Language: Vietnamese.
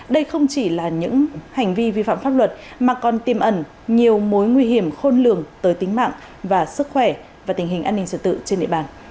đây không chỉ là những hành vi vi phạm pháp luật mà còn tiêm ẩn nhiều mối nguy hiểm khôn lường tới tính mạng và sức khỏe và tình hình an ninh trật tự trên địa bàn